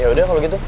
yaudah kalau gitu